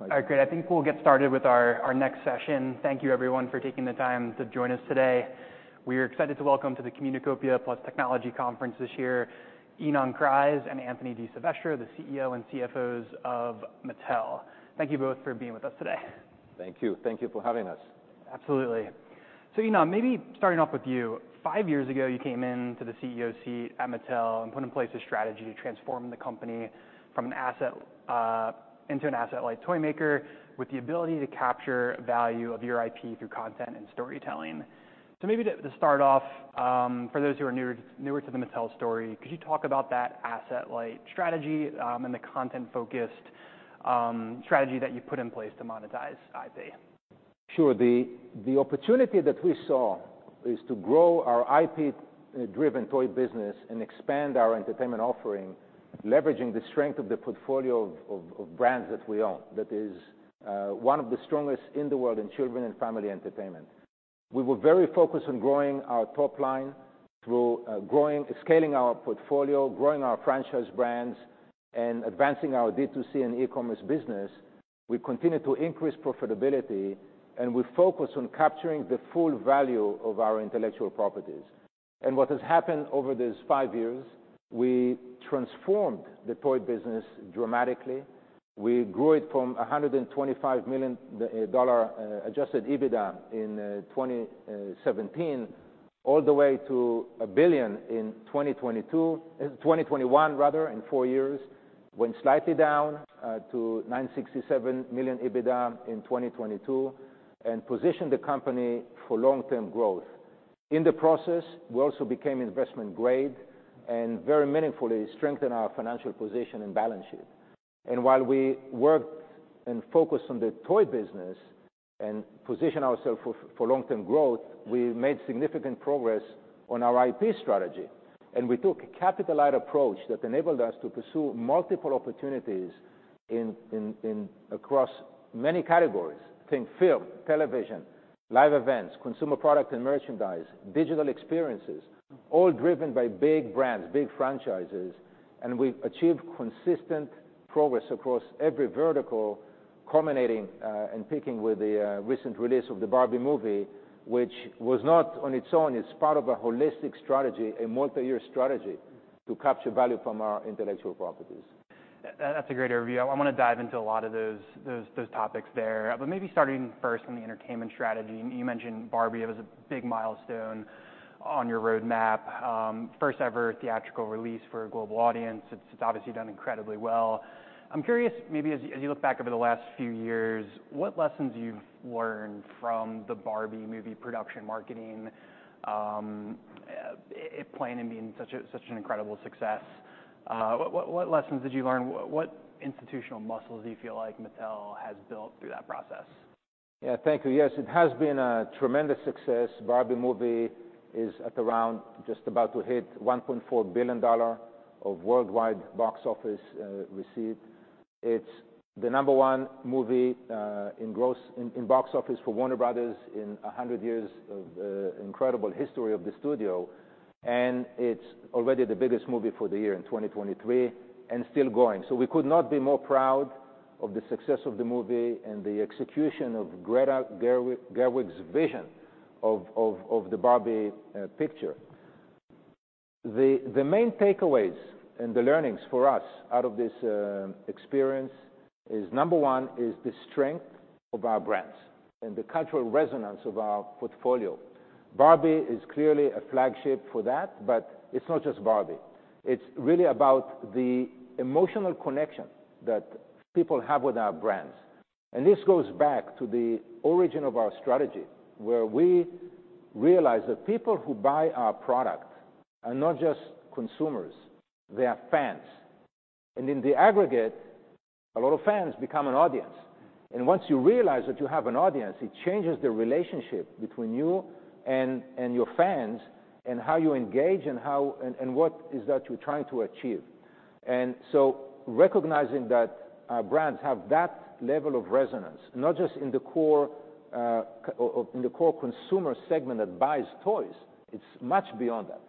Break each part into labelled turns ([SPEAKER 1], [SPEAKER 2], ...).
[SPEAKER 1] All right, great. I think we'll get started with our next session. Thank you everyone for taking the time to join us today. We are excited to welcome to the Communacopia + Technology Conference this year, Ynon Kreiz and Anthony DiSilvestro, the CEO and CFO of Mattel. Thank you both for being with us today.
[SPEAKER 2] Thank you. Thank you for having us.
[SPEAKER 1] Absolutely. So, Ynon, maybe starting off with you, five years ago, you came in to the CEO seat at Mattel and put in place a strategy to transform the company from an asset into an asset-light toy maker, with the ability to capture value of your IP through content and storytelling. So maybe to start off, for those who are newer to the Mattel story, could you talk about that asset-light strategy and the content-focused strategy that you put in place to monetize IP?
[SPEAKER 2] Sure. The opportunity that we saw is to grow our IP-driven toy business and expand our entertainment offering, leveraging the strength of the portfolio of brands that we own. That is one of the strongest in the world in children and family entertainment. We were very focused on growing our top line through scaling our portfolio, growing our franchise brands, and advancing our D2C and e-commerce business. We continued to increase profitability, and we focused on capturing the full value of our intellectual properties. What has happened over these five years, we transformed the toy business dramatically. We grew it from $125 million Adjusted EBITDA in 2017 all the way to $1 billion in 2022, 2021 rather, in four years. Went slightly down to $967 million EBITDA in 2022, and positioned the company for long-term growth. In the process, we also became investment-grade, and very meaningfully strengthened our financial position and balance sheet. And while we worked and focused on the toy business and positioned ourselves for long-term growth, we made significant progress on our IP strategy. And we took a capital-light approach that enabled us to pursue multiple opportunities in across many categories. Think film, television, live events, consumer product and merchandise, digital experiences, all driven by big brands, big franchises. And we've achieved consistent progress across every vertical, culminating and peaking with the recent release of the Barbie movie, which was not on its own, it's part of a holistic strategy, a multi-year strategy to capture value from our intellectual properties.
[SPEAKER 1] That's a great overview. I wanna dive into a lot of those topics there. But maybe starting first on the entertainment strategy. You mentioned Barbie. It was a big milestone on your roadmap. First-ever theatrical release for a global audience. It's obviously done incredibly well. I'm curious, maybe as you, as you look back over the last few years, what lessons you've learned from the Barbie movie production, marketing, it playing and being such a, such an incredible success? What lessons did you learn? What institutional muscles do you feel like Mattel has built through that process?
[SPEAKER 2] Yeah, thank you. Yes, it has been a tremendous success. Barbie movie is at around, just about to hit $1.4 billion of worldwide box office receipt. It's the number one movie in gross, in box office for Warner Bros. in 100 years of incredible history of the studio. And it's already the biggest movie for the year in 2023, and still going. So we could not be more proud of the success of the movie and the execution of Greta Gerwig, Gerwig's vision of the Barbie picture. The main takeaways and the learnings for us out of this experience is, number one, is the strength of our brands and the cultural resonance of our portfolio. Barbie is clearly a flagship for that, but it's not just Barbie. It's really about the emotional connection that people have with our brands. And this goes back to the origin of our strategy, where we realized that people who buy our product are not just consumers, they are fans. And in the aggregate, a lot of fans become an audience, and once you realize that you have an audience, it changes the relationship between you and your fans, and how you engage, and what is that you're trying to achieve. And so recognizing that our brands have that level of resonance, not just in the core consumer segment that buys toys, it's much beyond that.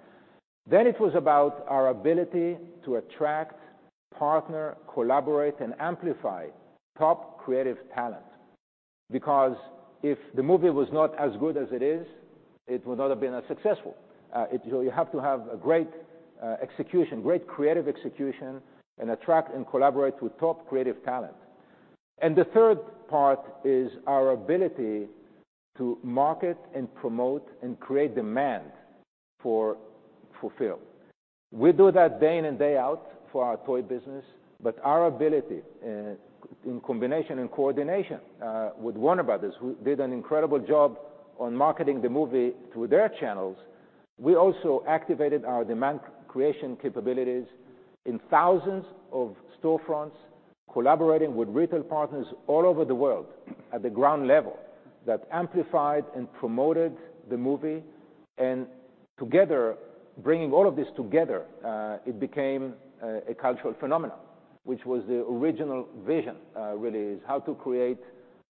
[SPEAKER 2] Then it was about our ability to attract, partner, collaborate, and amplify top creative talent. Because if the movie was not as good as it is, it would not have been as successful. It... You have to have a great execution, great creative execution, and attract and collaborate with top creative talent. And the third part is our ability to market and promote and create demand for, for film. We do that day in and day out for our toy business, but our ability, in combination and coordination, with Warner Bros., who did an incredible job on marketing the movie through their channels. We also activated our demand creation capabilities in thousands of storefronts, collaborating with retail partners all over the world at the ground level, that amplified and promoted the movie. And together, bringing all of this together, it became a cultural phenomenon, which was the original vision, really, is how to create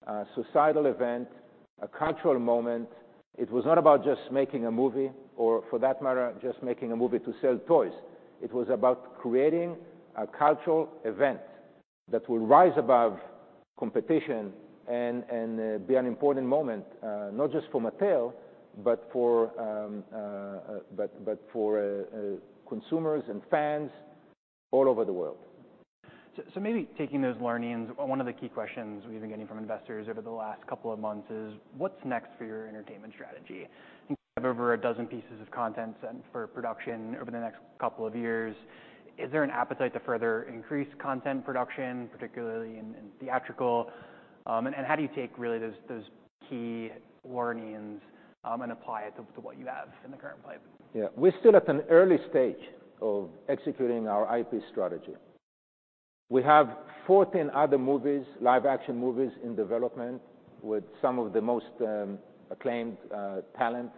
[SPEAKER 2] a societal event, a cultural moment. It was not about just making a movie or, for that matter, just making a movie to sell toys. It was about creating a cultural event that will rise above competition and be an important moment, not just for Mattel, but for consumers and fans all over the world.
[SPEAKER 1] So, maybe taking those learnings, one of the key questions we've been getting from investors over the last couple of months is: What's next for your entertainment strategy? You have over a dozen pieces of content sent for production over the next couple of years. Is there an appetite to further increase content production, particularly in theatrical? And how do you take really those key learnings, and apply it to what you have in the current pipe?
[SPEAKER 2] Yeah. We're still at an early stage of executing our IP strategy. We have 14 other movies, live action movies in development, with some of the most acclaimed talent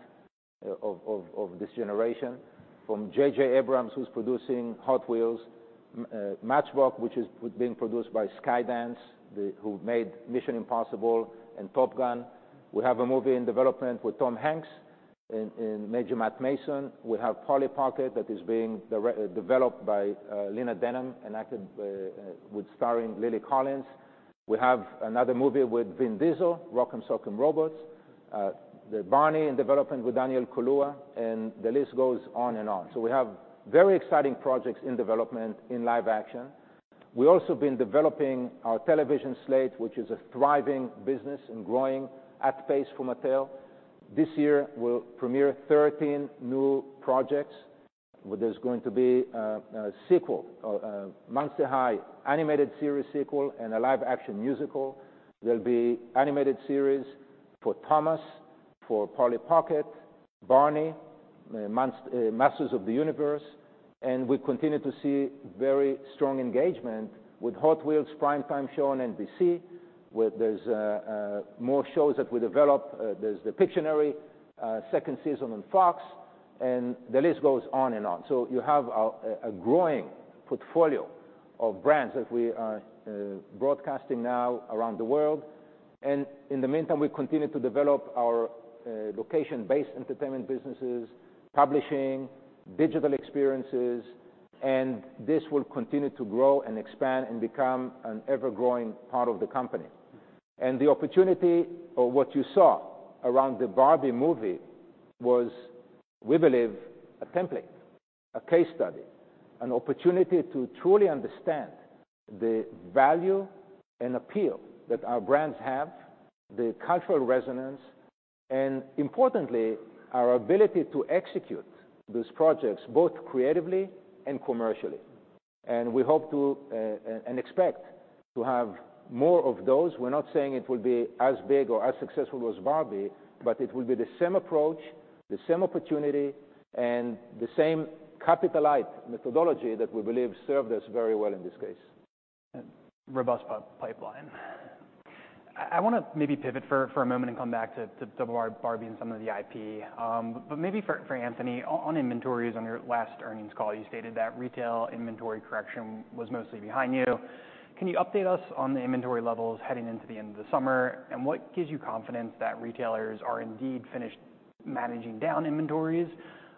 [SPEAKER 2] of this generation, from J.J. Abrams, who's producing Hot Wheels, Matchbox, which is being produced by Skydance, who made Mission: Impossible and Top Gun. We have a movie in development with Tom Hanks in Major Matt Mason. We have Polly Pocket that is being developed by Lena Dunham, and starring Lily Collins. We have another movie with Vin Diesel, Rock 'Em Sock 'Em Robots. The Barney in development with Daniel Kaluuya, and the list goes on and on. So we have very exciting projects in development in live action. We've also been developing our television slate, which is a thriving business and growing at pace for Mattel. This year, we'll premiere 13 new projects, where there's going to be a sequel, Monster High animated series sequel, and a live action musical. There'll be animated series for Thomas, for Polly Pocket, Barney, Masters of the Universe. We continue to see very strong engagement with Hot Wheels primetime show on NBC, where there's more shows that we develop. There's the Pictionary second season on Fox, and the list goes on and on. So you have a growing portfolio of brands that we are broadcasting now around the world. In the meantime, we continue to develop our location-based entertainment businesses, publishing, digital experiences, and this will continue to grow and expand and become an ever-growing part of the company. The opportunity or what you saw around the Barbie movie was, we believe, a template, a case study, an opportunity to truly understand the value and appeal that our brands have, the cultural resonance, and importantly, our ability to execute these projects, both creatively and commercially. We hope to, and expect to have more of those. We're not saying it will be as big or as successful as Barbie, but it will be the same approach, the same opportunity, and the same capital-light methodology that we believe served us very well in this case.
[SPEAKER 1] Robust pipeline. I wanna maybe pivot for a moment and come back to Barbie and some of the IP. But maybe for Anthony, on inventories, on your last earnings call, you stated that retail inventory correction was mostly behind you. Can you update us on the inventory levels heading into the end of the summer? And what gives you confidence that retailers are indeed finished managing down inventories,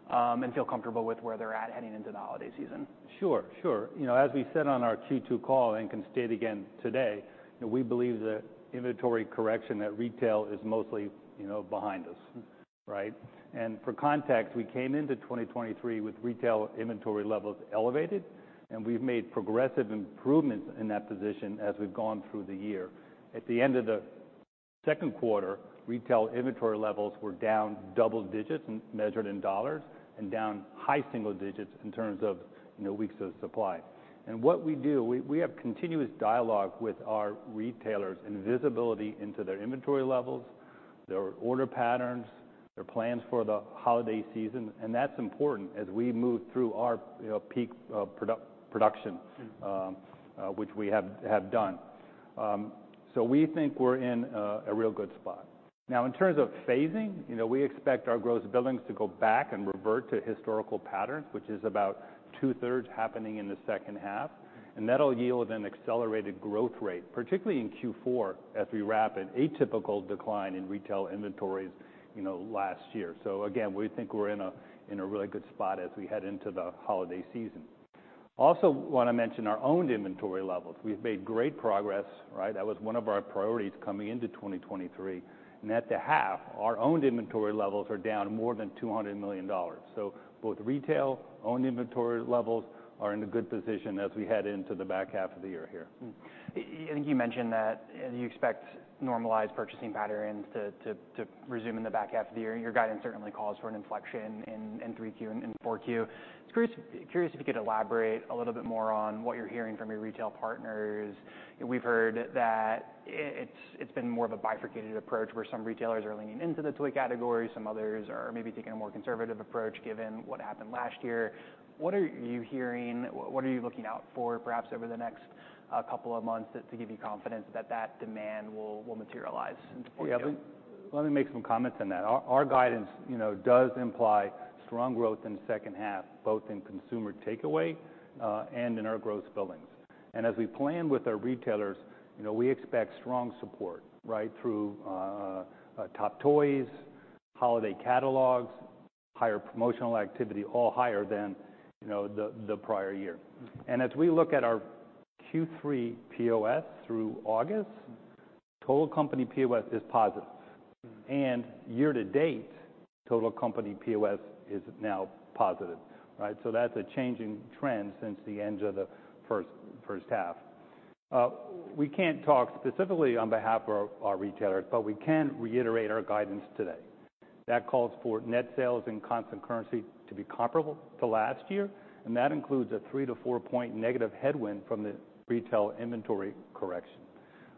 [SPEAKER 1] and feel comfortable with where they're at heading into the holiday season?
[SPEAKER 3] Sure, sure. You know, as we said on our Q2 call and can state again today, we believe the inventory correction at retail is mostly, you know, behind us, right? And for context, we came into 2023 with retail inventory levels elevated, and we've made progressive improvements in that position as we've gone through the year. At the end of the second quarter, retail inventory levels were down double digits, measured in dollars, and down high single digits in terms of, you know, weeks of supply. And what we do, we have continuous dialogue with our retailers and visibility into their inventory levels, their order patterns, their plans for the holiday season, and that's important as we move through our, you know, peak of production, which we have done. So we think we're in a real good spot. Now, in terms of phasing, you know, we expect our gross billings to go back and revert to historical patterns, which is about two-thirds happening in the second half, and that'll yield an accelerated growth rate, particularly in Q4, as we wrap an atypical decline in retail inventories, you know, last year. So again, we think we're in a, in a really good spot as we head into the holiday season. Also want to mention our own inventory levels. We've made great progress, right? That was one of our priorities coming into 2023. And at the half, our own inventory levels are down more than $200 million. So both retail and owned inventory levels are in a good position as we head into the back half of the year here.
[SPEAKER 1] I think you mentioned that you expect normalized purchasing patterns to resume in the back half of the year. Your guidance certainly calls for an inflection in 3Q and 4Q. It's curious if you could elaborate a little bit more on what you're hearing from your retail partners. We've heard that it's been more of a bifurcated approach, where some retailers are leaning into the toy category, some others are maybe taking a more conservative approach, given what happened last year. What are you hearing? What are you looking out for, perhaps over the next couple of months, to give you confidence that that demand will materialize into POS?...
[SPEAKER 3] Let me make some comments on that. Our guidance, you know, does imply strong growth in the second half, both in consumer takeaway and in our gross billings. As we plan with our retailers, you know, we expect strong support, right? Through top toys, holiday catalogs, higher promotional activity, all higher than, you know, the prior year. And as we look at our Q3 POS through August, total company POS is positive, and year to date, total company POS is now positive, right? So that's a changing trend since the end of the first half. We can't talk specifically on behalf of our retailers, but we can reiterate our guidance today. That calls for net sales and constant currency to be comparable to last year, and that includes a three to four point negative headwind from the retail inventory correction.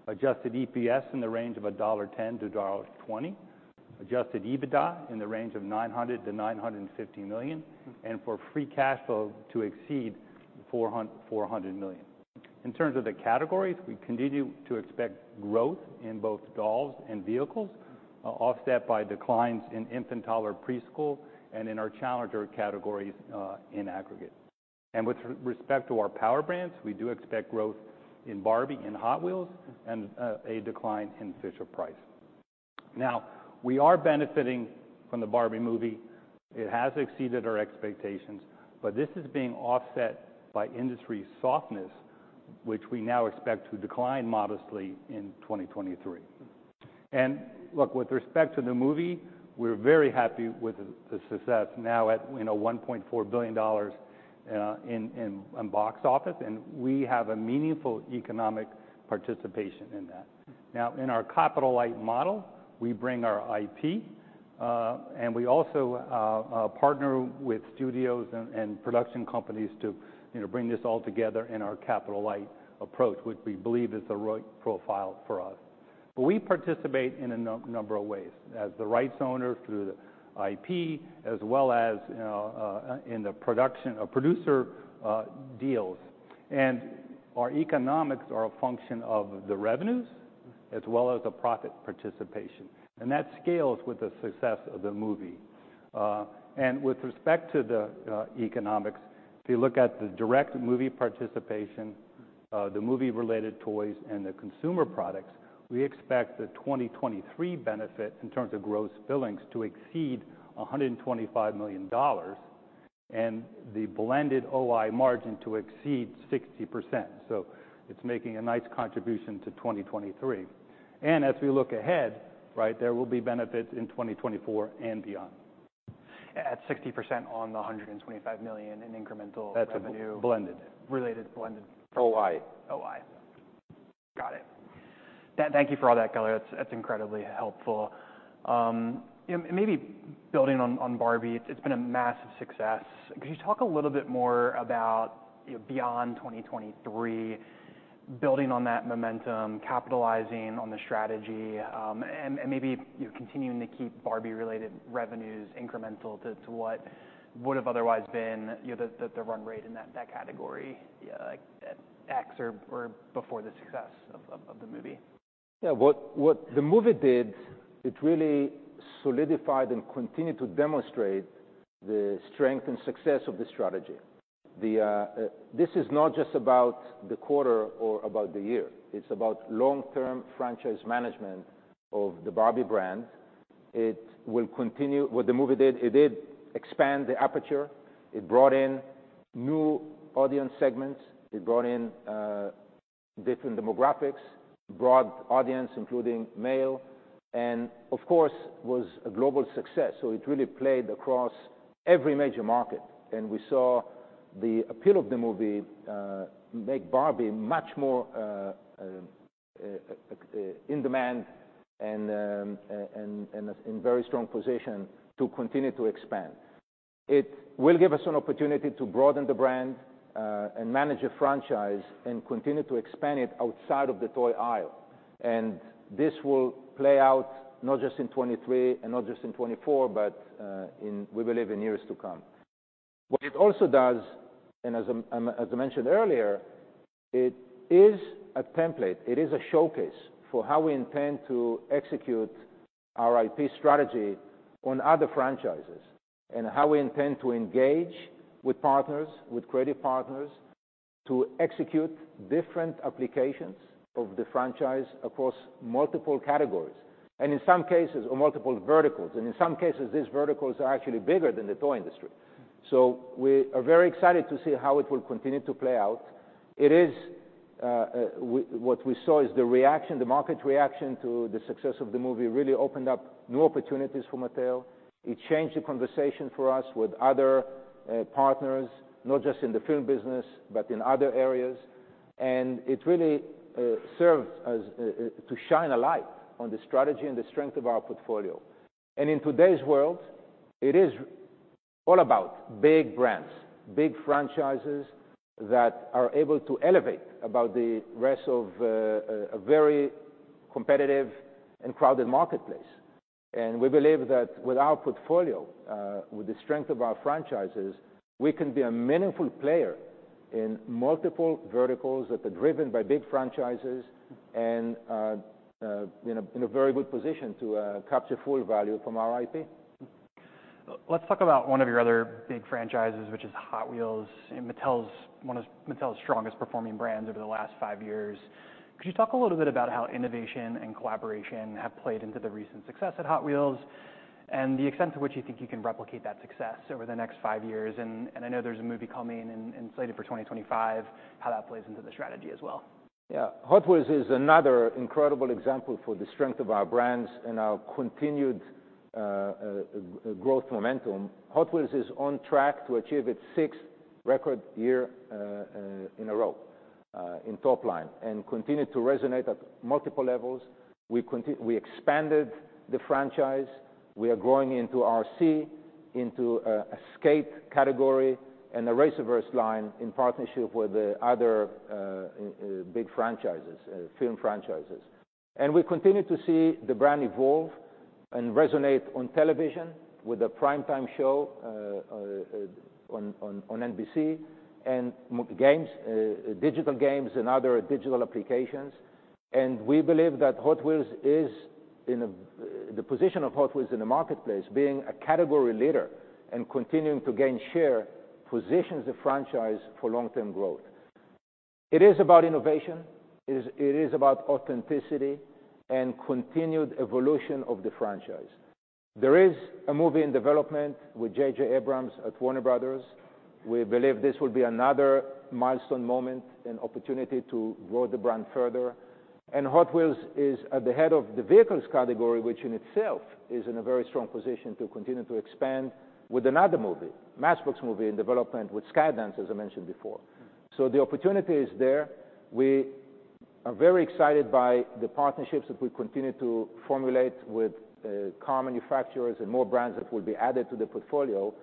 [SPEAKER 3] Adjusted EPS in the range of $1.10-$1.20. Adjusted EBITDA in the range of $900 million-$950 million, and for free cash flow to exceed $400 million. In terms of the categories, we continue to expect growth in both dolls and vehicles, offset by declines in infant, toddler, preschool, and in our challenger categories, in aggregate. And with respect to our power brands, we do expect growth in Barbie and Hot Wheels, and a decline in Fisher-Price. Now, we are benefiting from the Barbie movie. It has exceeded our expectations, but this is being offset by industry softness, which we now expect to decline modestly in 2023. And look, with respect to the movie, we're very happy with the success now at, you know, $1.4 billion in box office, and we have a meaningful economic participation in that. Now, in our capital-light model, we bring our IP, and we also partner with studios and production companies to, you know, bring this all together in our capital-light approach, which we believe is the right profile for us. But we participate in a number of ways, as the rights owner through the IP, as well as, you know, in the production or producer deals. And our economics are a function of the revenues as well as the profit participation, and that scales with the success of the movie. With respect to the economics, if you look at the direct movie participation, the movie-related toys and the consumer products, we expect the 2023 benefit in terms of gross billings to exceed $125 million, and the blended OI margin to exceed 60%. So it's making a nice contribution to 2023. And as we look ahead, right, there will be benefits in 2024 and beyond.
[SPEAKER 1] At 60% on the $125 million in incremental-
[SPEAKER 3] That's blended.
[SPEAKER 1] Related blended?
[SPEAKER 3] OI.
[SPEAKER 1] OI. Got it. Thank, thank you for all that, color. That's, that's incredibly helpful. And maybe building on, on Barbie, it's been a massive success. Could you talk a little bit more about, you know, beyond 2023, building on that momentum, capitalizing on the strategy, and, and maybe, you know, continuing to keep Barbie-related revenues incremental to, to what would have otherwise been, you know, the, the, run rate in that, that category, like at X or, or before the success of, of, of the movie?
[SPEAKER 3] Yeah, what the movie did, it really solidified and continued to demonstrate the strength and success of the strategy. The, this is not just about the quarter or about the year, it's about long-term franchise management of the Barbie brand. It will continue... What the movie did, it did expand the aperture. It brought in new audience segments, it brought in, different demographics, broad audience, including male, and of course, was a global success. So it really played across every major market, and we saw the appeal of the movie, make Barbie much more, in demand and in very strong position to continue to expand. It will give us an opportunity to broaden the brand, and manage a franchise and continue to expand it outside of the toy aisle. This will play out not just in 2023, and not just in 2024, but in, we believe, in years to come. What it also does, and as I, as I mentioned earlier, it is a template, it is a showcase for how we intend to execute our IP strategy on other franchises, and how we intend to engage with partners, with creative partners, to execute different applications of the franchise across multiple categories, and in some cases, or multiple verticals. And in some cases, these verticals are actually bigger than the toy industry. So we are very excited to see how it will continue to play out. It is, what we saw is the reaction, the market's reaction to the success of the movie really opened up new opportunities for Mattel. It changed the conversation for us with other, partners, not just in the film business, but in other areas. And it really, serves as, to shine a light on the strategy and the strength of our portfolio. And in today's world, it is all about big brands, big franchises that are able to elevate about the rest of a very competitive and crowded marketplace. And we believe that with our portfolio, with the strength of our franchises, we can be a meaningful player-...
[SPEAKER 2] in multiple verticals that are driven by big franchises and, in a very good position to, capture full value from our IP.
[SPEAKER 1] Let's talk about one of your other big franchises, which is Hot Wheels, and Mattel's, one of Mattel's strongest performing brands over the last five years. Could you talk a little bit about how innovation and collaboration have played into the recent success at Hot Wheels, and the extent to which you think you can replicate that success over the next five years? And, and I know there's a movie coming and, and slated for 2025, how that plays into the strategy as well.
[SPEAKER 2] Yeah. Hot Wheels is another incredible example for the strength of our brands and our continued growth momentum. Hot Wheels is on track to achieve its sixth record year in a row in top line, and continue to resonate at multiple levels. We expanded the franchise. We are growing into RC, into a skate category, and the RacerVerse line in partnership with the other big franchises, film franchises. And we continue to see the brand evolve and resonate on television with a prime-time show on NBC, and games, digital games and other digital applications. And we believe that Hot Wheels is in the position of Hot Wheels in the marketplace, being a category leader and continuing to gain share, positions the franchise for long-term growth. It is about innovation, it is, it is about authenticity and continued evolution of the franchise. There is a movie in development with J.J. Abrams at Warner Bros. We believe this will be another milestone moment and opportunity to grow the brand further. And Hot Wheels is at the head of the vehicles category, which in itself is in a very strong position to continue to expand with another movie, Matchbox movie, in development with Skydance, as I mentioned before. So the opportunity is there. We are very excited by the partnerships that we continue to formulate with car manufacturers and more brands that will be added to the portfolio,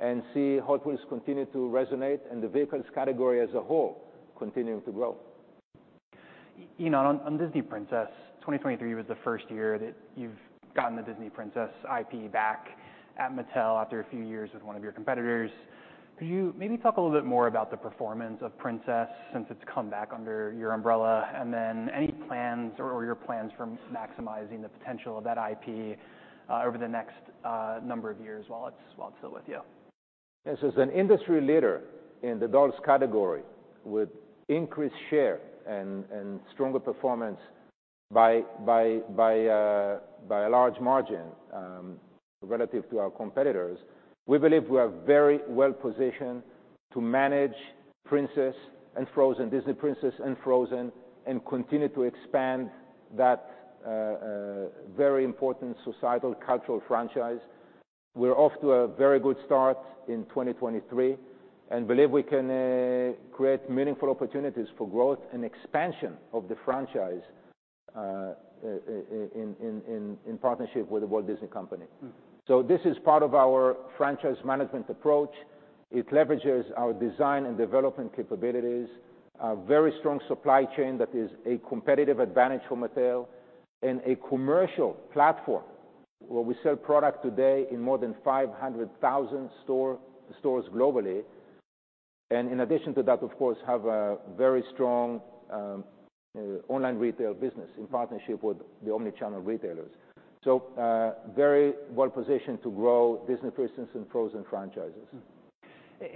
[SPEAKER 2] and see Hot Wheels continue to resonate, and the vehicles category as a whole, continuing to grow.
[SPEAKER 1] Ynon, on Disney Princess, 2023 was the first year that you've gotten the Disney Princess IP back at Mattel after a few years with one of your competitors. Could you maybe talk a little bit more about the performance of Princess since it's come back under your umbrella? And then any plans or, or your plans for maximizing the potential of that IP, over the next, number of years while it's, while it's still with you?
[SPEAKER 2] Yes, as an industry leader in the dolls category, with increased share and stronger performance by a large margin, relative to our competitors, we believe we are very well positioned to manage Princess and Frozen, Disney Princess and Frozen, and continue to expand that very important societal cultural franchise. We're off to a very good start in 2023, and believe we can create meaningful opportunities for growth and expansion of the franchise, in partnership with The Walt Disney Company.
[SPEAKER 1] Mm.
[SPEAKER 2] So this is part of our franchise management approach. It leverages our design and development capabilities, a very strong supply chain that is a competitive advantage for Mattel, and a commercial platform, where we sell product today in more than 500,000 stores globally. In addition to that, of course, have a very strong, online retail business in partnership with the omni-channel retailers. So, very well positioned to grow Disney Princess and Frozen franchises.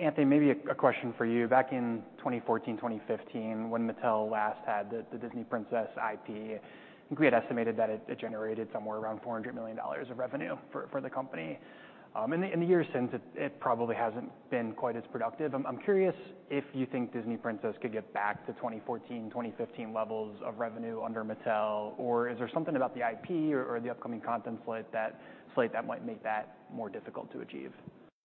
[SPEAKER 1] Anthony, maybe a question for you. Back in 2014, 2015, when Mattel last had the Disney Princess IP, I think we had estimated that it generated somewhere around $400 million of revenue for the company. In the years since, it probably hasn't been quite as productive. I'm curious if you think Disney Princess could get back to 2014, 2015 levels of revenue under Mattel, or is there something about the IP or the upcoming content slate that might make that more difficult to achieve?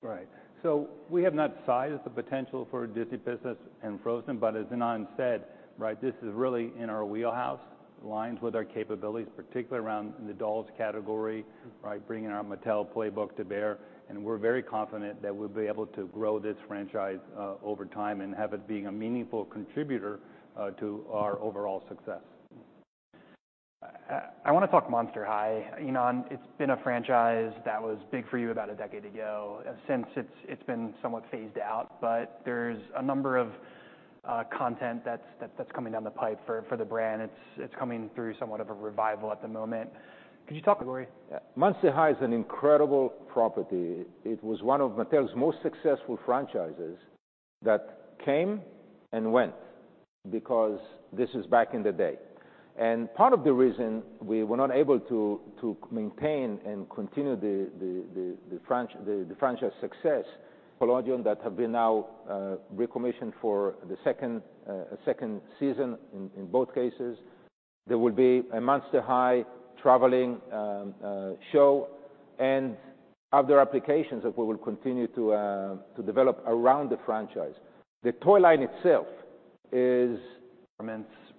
[SPEAKER 3] Right. So we have not sized the potential for Disney Princess and Frozen, but as Ynon said, right, this is really in our wheelhouse, aligns with our capabilities, particularly around in the dolls category, right? Bringing our Mattel playbook to bear, and we're very confident that we'll be able to grow this franchise, over time and have it being a meaningful contributor, to our overall success.
[SPEAKER 1] I want to talk Monster High. Ynon, it's been a franchise that was big for you about a decade ago. Since it's, it's been somewhat phased out, but there's a number of, content that's, that's coming down the pipe for, for the brand. It's, it's coming through somewhat of a revival at the moment. Could you talk about-
[SPEAKER 2] Monster High is an incredible property. It was one of Mattel's most successful franchises that came and went, because this is back in the day. And part of the reason we were not able to maintain and continue the franchise success-Nickelodeon that has now been recommissioned for the second season. In both cases, there will be a Monster High traveling show and other applications that we will continue to develop around the franchise. The toy line itself is-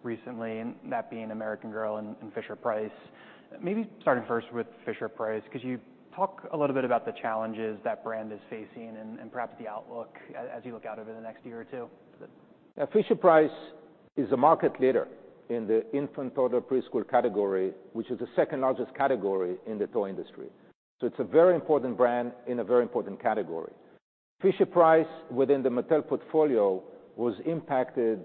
[SPEAKER 1] Recently, and that being American Girl and, and Fisher-Price. Maybe starting first with Fisher-Price, could you talk a little bit about the challenges that brand is facing and, and perhaps the outlook as you look out over the next year or two?
[SPEAKER 2] Fisher-Price is a market leader in the infant toddler preschool category, which is the second largest category in the toy industry. So it's a very important brand in a very important category. Fisher-Price, within the Mattel portfolio, was impacted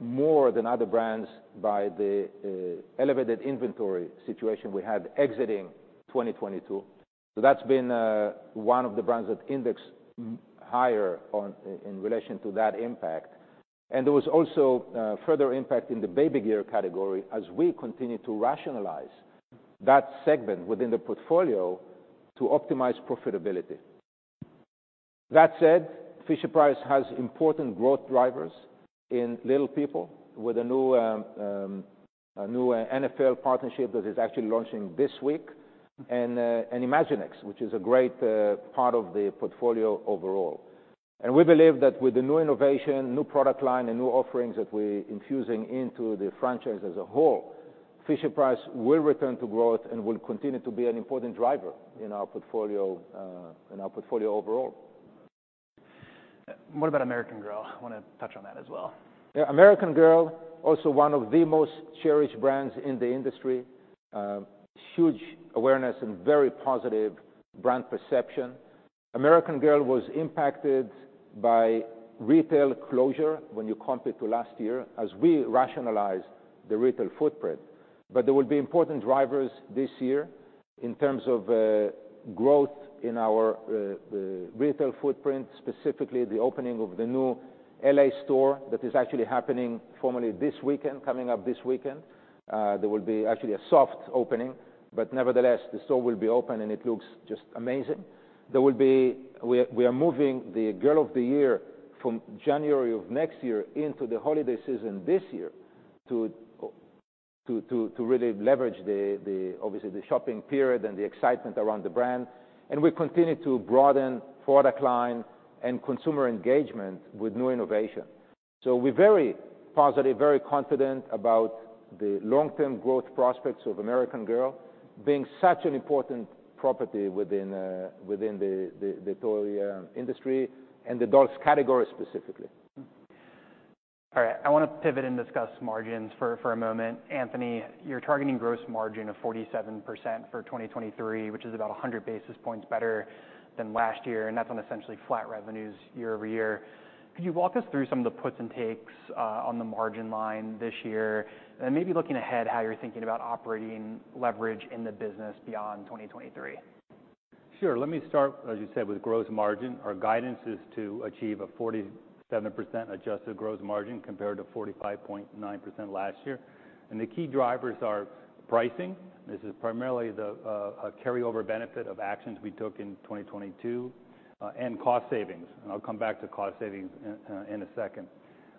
[SPEAKER 2] more than other brands by the elevated inventory situation we had exiting 2022. So that's been one of the brands that indexes higher on, in relation to that impact. And there was also further impact in the baby gear category as we continue to rationalize that segment within the portfolio to optimize profitability. That said, Fisher-Price has important growth drivers in Little People with a new NFL partnership that is actually launching this week, and Imaginext, which is a great part of the portfolio overall. We believe that with the new innovation, new product line, and new offerings that we're infusing into the franchise as a whole, Fisher-Price will return to growth and will continue to be an important driver in our portfolio, in our portfolio overall.
[SPEAKER 1] What about American Girl? I wanna touch on that as well.
[SPEAKER 2] Yeah, American Girl, also one of the most cherished brands in the industry. Huge awareness and very positive brand perception. American Girl was impacted by retail closure when you compare it to last year, as we rationalized the retail footprint. But there will be important drivers this year in terms of growth in our retail footprint, specifically the opening of the new LA store. That is actually happening formally this weekend, coming up this weekend. There will be actually a soft opening, but nevertheless, the store will be open, and it looks just amazing. We are moving the Girl of the Year from January of next year into the holiday season this year, to really leverage the, obviously, the shopping period and the excitement around the brand. We continue to broaden product line and consumer engagement with new innovation. So we're very positive, very confident about the long-term growth prospects of American Girl being such an important property within the toy industry and the dolls category specifically.
[SPEAKER 1] All right. I wanna pivot and discuss margins for a moment. Anthony, you're targeting gross margin of 47% for 2023, which is about 100 basis points better than last year, and that's on essentially flat revenues year-over-year. Could you walk us through some of the puts and takes on the margin line this year? And maybe looking ahead, how you're thinking about operating leverage in the business beyond 2023.
[SPEAKER 3] Sure. Let me start, as you said, with gross margin. Our guidance is to achieve a 47% adjusted gross margin, compared to 45.9% last year. And the key drivers are pricing, this is primarily a carryover benefit of actions we took in 2022, and cost savings, and I'll come back to cost savings in a second.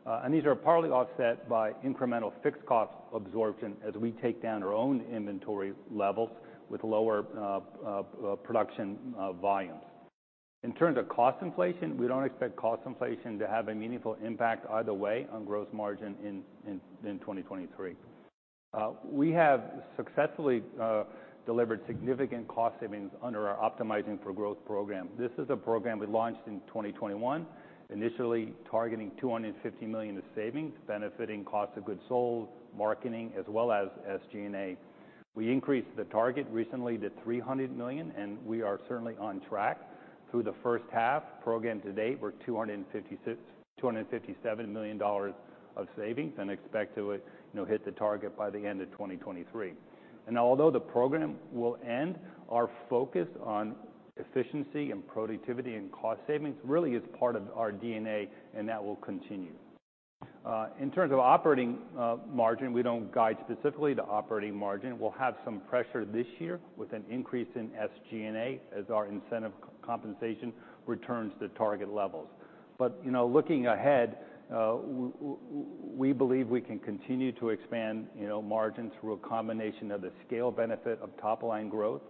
[SPEAKER 3] And these are partly offset by incremental fixed cost absorption as we take down our own inventory levels with lower production volumes. In terms of cost inflation, we don't expect cost inflation to have a meaningful impact either way on gross margin in 2023. We have successfully delivered significant cost savings under our Optimizing for Growth program. This is a program we launched in 2021, initially targeting $250 million in savings, benefiting cost of goods sold, marketing, as well as SG&A. We increased the target recently to $300 million, and we are certainly on track. Through the first half, program to date, we're $257 million of savings and expect to, you know, hit the target by the end of 2023. And although the program will end, our focus on efficiency and productivity and cost savings really is part of our DNA, and that will continue. In terms of operating margin, we don't guide specifically to operating margin. We'll have some pressure this year with an increase in SG&A as our incentive compensation returns to target levels. You know, looking ahead, we believe we can continue to expand, you know, margins through a combination of the scale benefit of top-line growth,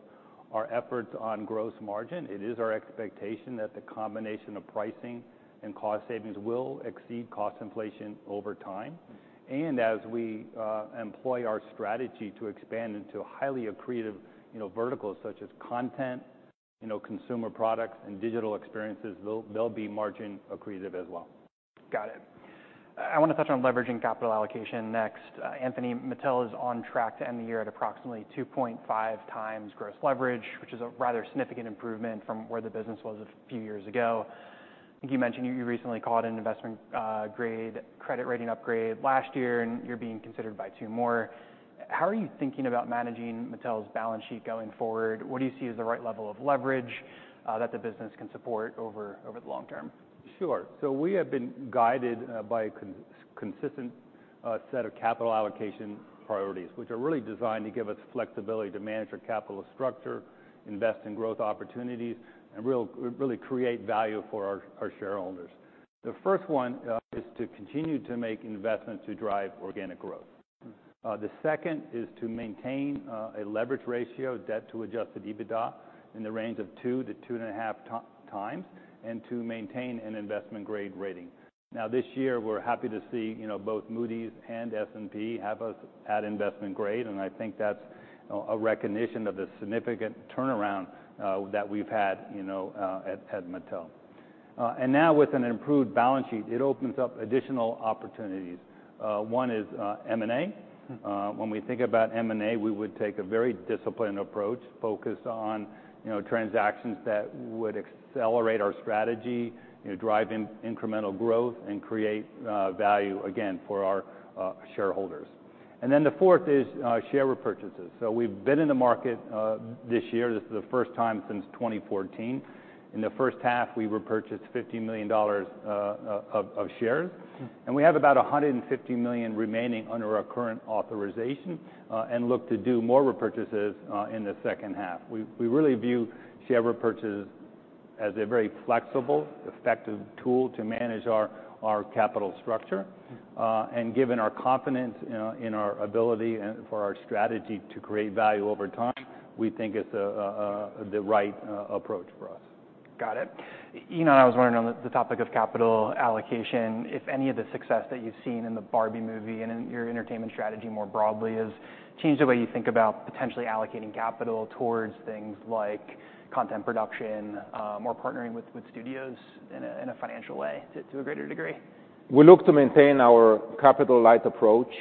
[SPEAKER 3] our efforts on gross margin. It is our expectation that the combination of pricing and cost savings will exceed cost inflation over time. As we employ our strategy to expand into highly accretive, you know, verticals such as content, you know, consumer products, and digital experiences, they'll be margin accretive as well.
[SPEAKER 1] Got it. I wanna touch on leveraging capital allocation next. Anthony, Mattel is on track to end the year at approximately 2.5x gross leverage, which is a rather significant improvement from where the business was a few years ago. I think you mentioned you recently called it an Investment Grade credit rating upgrade last year, and you're being considered by two more. How are you thinking about managing Mattel's balance sheet going forward? What do you see as the right level of leverage that the business can support over the long term?
[SPEAKER 3] Sure. So we have been guided by a consistent set of capital allocation priorities, which are really designed to give us flexibility to manage our capital structure, invest in growth opportunities, and really create value for our, our shareholders. The first one is to continue to make investments to drive organic growth. The second is to maintain a leverage ratio, debt to Adjusted EBITDA, in the range of 2-2.5x, and to maintain an investment-grade rating. Now, this year, we're happy to see, you know, both Moody's and S&P have us at investment grade, and I think that's a recognition of the significant turnaround that we've had, you know, at Mattel. And now with an improved balance sheet, it opens up additional opportunities. One is M&A. When we think about M&A, we would take a very disciplined approach, focused on, you know, transactions that would accelerate our strategy, you know, drive incremental growth, and create value, again, for our shareholders. And then the fourth is share repurchases. So we've been in the market this year. This is the first time since 2014. In the first half, we repurchased $50 million of shares, and we have about $150 million remaining under our current authorization, and look to do more repurchases in the second half. We really view share repurchases as a very flexible, effective tool to manage our capital structure. And given our confidence in our ability for our strategy to create value over time, we think it's the right approach for us.
[SPEAKER 1] Got it. Ynon, I was wondering on the topic of capital allocation, if any of the success that you've seen in the Barbie movie and in your entertainment strategy more broadly, has changed the way you think about potentially allocating capital towards things like content production, more partnering with studios in a financial way to a greater degree?
[SPEAKER 2] We look to maintain our capital light approach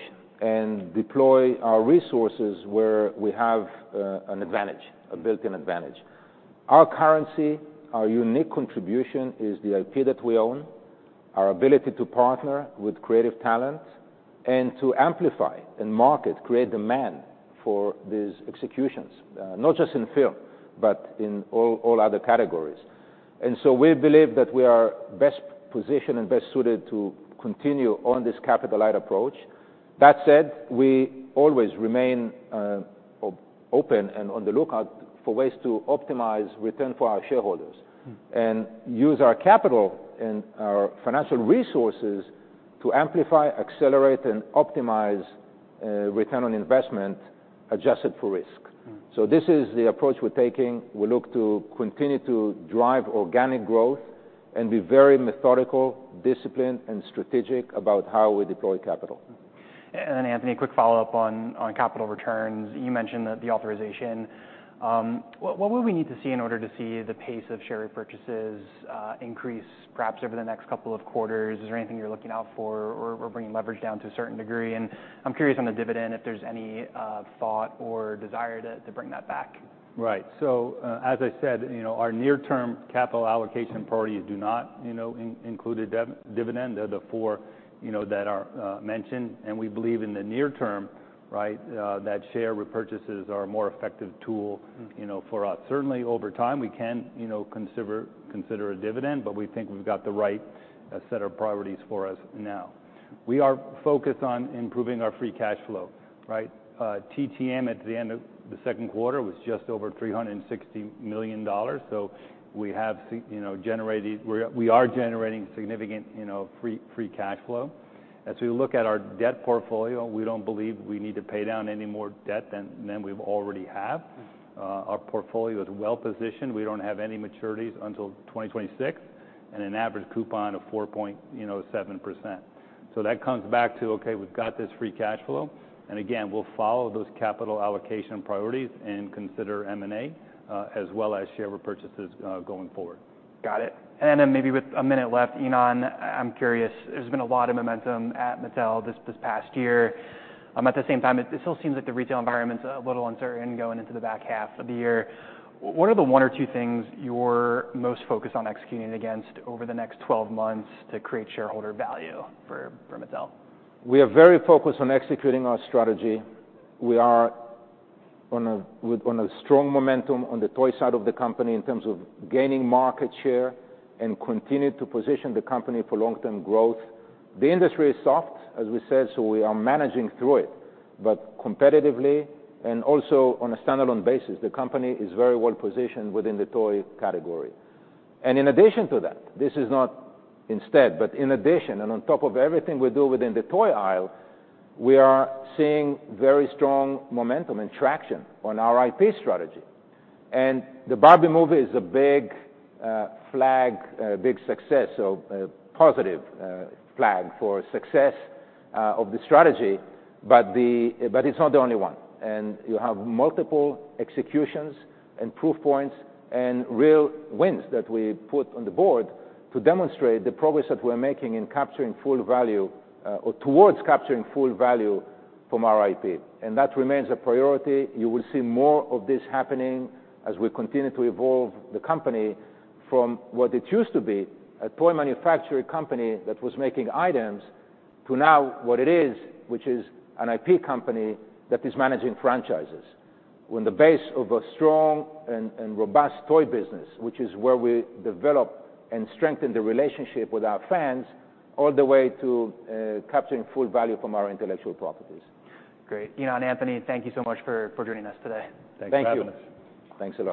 [SPEAKER 2] and deploy our resources where we have, an advantage, a built-in advantage. Our currency, our unique contribution, is the IP that we own, our ability to partner with creative talent, and to amplify and market, create demand for these executions, not just in film, but in all other categories. And so we believe that we are best positioned and best suited to continue on this capital light approach. That said, we always remain, open and on the lookout for ways to optimize return for our shareholders.
[SPEAKER 1] Mm.
[SPEAKER 2] - and use our capital and our financial resources to amplify, accelerate, and optimize return on investment, adjusted for risk.
[SPEAKER 1] Mm.
[SPEAKER 2] So this is the approach we're taking. We look to continue to drive organic growth and be very methodical, disciplined, and strategic about how we deploy capital.
[SPEAKER 1] And Anthony, a quick follow-up on capital returns. You mentioned that the authorization. What would we need to see in order to see the pace of share repurchases increase, perhaps over the next couple of quarters? Is there anything you're looking out for or bringing leverage down to a certain degree? And I'm curious on the dividend, if there's any thought or desire to bring that back.
[SPEAKER 3] Right. So, as I said, you know, our near-term capital allocation priorities do not, you know, include a dividend. They're the four, you know, that are mentioned, and we believe in the near term, right, that share repurchases are a more effective tool-
[SPEAKER 1] Mm...
[SPEAKER 3] you know, for us. Certainly over time, we can, you know, consider a dividend, but we think we've got the right set of priorities for us now. We are focused on improving our free cash flow, right? TTM at the end of the second quarter was just over $360 million, so we have, you know, generated... We're, we are generating significant, you know, free cash flow. As we look at our debt portfolio, we don't believe we need to pay down any more debt than we already have.
[SPEAKER 1] Mm.
[SPEAKER 3] Our portfolio is well positioned. We don't have any maturities until 2026, and an average coupon of 4.7%. So that comes back to, okay, we've got this free cash flow, and again, we'll follow those capital allocation priorities and consider M&A, as well as share repurchases, going forward.
[SPEAKER 1] Got it. And then maybe with a minute left, Ynon, I'm curious, there's been a lot of momentum at Mattel this past year. At the same time, it still seems like the retail environment's a little uncertain going into the back half of the year. What are the one or two things you're most focused on executing against over the next 12 months to create shareholder value for Mattel?
[SPEAKER 2] We are very focused on executing our strategy. We are on a strong momentum on the toy side of the company in terms of gaining market share and continue to position the company for long-term growth. The industry is soft, as we said, so we are managing through it, but competitively and also on a standalone basis, the company is very well positioned within the toy category. In addition to that, this is not instead, but in addition, and on top of everything we do within the toy aisle, we are seeing very strong momentum and traction on our IP strategy. The Barbie movie is a big flag, a big success, so a positive flag for success of the strategy. But it's not the only one, and you have multiple executions and proof points and real wins that we put on the board to demonstrate the progress that we're making in capturing full value, or towards capturing full value from our IP, and that remains a priority. You will see more of this happening as we continue to evolve the company from what it used to be, a toy manufacturing company that was making items, to now what it is, which is an IP company that is managing franchises. On the base of a strong and robust toy business, which is where we develop and strengthen the relationship with our fans, all the way to capturing full value from our intellectual properties.
[SPEAKER 1] Great. Ynon, Anthony, thank you so much for joining us today.
[SPEAKER 2] Thanks for having us.
[SPEAKER 3] Thank you. Thanks a lot.